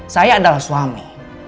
saya adalah suami